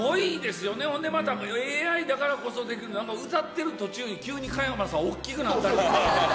ほんでまた、ＡＩだからこそできる、歌ってる途中に急に加山さん大きくなったりとか。